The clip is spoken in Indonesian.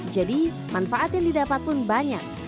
jadi manfaat yang didapat pun banyak